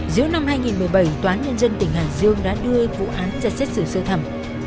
giữa năm hai nghìn một mươi bảy tòa án nhân dân tỉnh hải dương đã đưa vụ án ra xét xử sơ thẩm